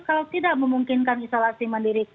kalau tidak memungkinkan isolasi mandiri